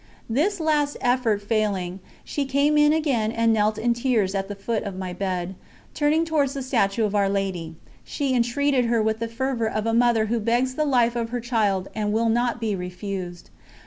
This last effort failing, she came in again and knelt in tears at the foot of my bed; turning towards the statue of Our Lady, she entreated her with the fervour of a mother who begs the life of her child and will not be refused.